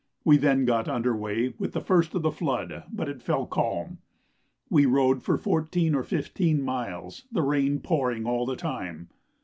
We then got under weigh with the first of the flood, but it fell calm. We rowed for fourteen or fifteen miles, the rain pouring all the time.